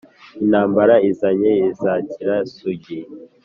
Intambara izanye izakira Sugi